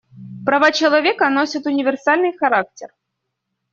Права человека носят универсальный характер.